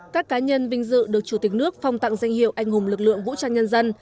các cá nhân vinh dự được chủ tịch nước phong tặng danh hiệu anh hùng lực lượng vũ trang nhân dân